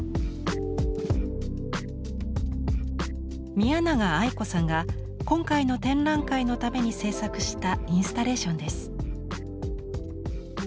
宮永愛子さんが今回の展覧会のために制作したインスタレーションです。